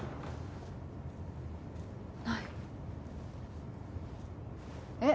ないえっ